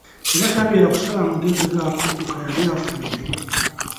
Era tabeera kusala magezi ga kudduka yali afudde.